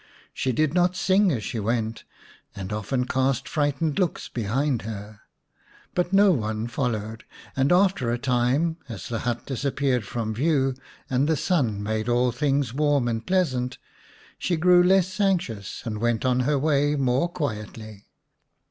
She did not sing as she went, and often cast frightened looks behind her. But no one followed, and after a time, as the hut disappeared from view and the sun made all things warm and pleasant, she 67 The Three Little Eggs VII grew less anxious and went on her way more quietly.